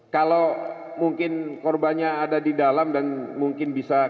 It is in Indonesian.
kalau mungkin korbannya ada di dalam dan mungkin bisa